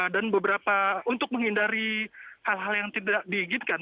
dan untuk menghindari hal hal yang tidak diinginkan